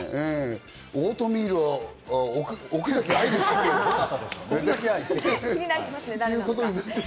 オートミールは奥崎愛ですって。